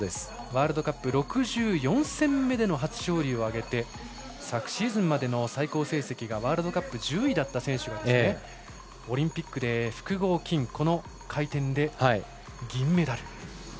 ワールドカップ６４戦目での初勝利を挙げて昨シーズンまでの最高成績がワールドカップ１０位だった選手がオリンピックで複合、金回転で銀メダル。